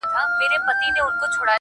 د غازیانو له شامته هدیرې دي چي ډکیږی!!